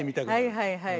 はいはいはい。